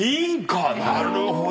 なるほど。